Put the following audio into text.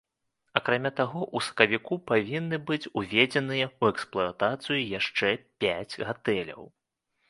Акрамя таго, у сакавіку павінны быць уведзеныя ў эксплуатацыю яшчэ пяць гатэляў.